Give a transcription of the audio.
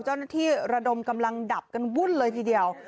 เจ้าหน้าที่ระดมกำลังดับกันวุ่นเลยทีเดียว